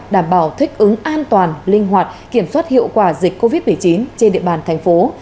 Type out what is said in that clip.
đảm bảo thích ứng an toàn linh hoạt kiểm soát hiệu quả dịch covid một mươi chín trên địa bàn thành phố